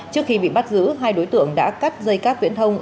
trước khi bị bắt giữ hai đối tượng đã cắt dây cáp viễn thông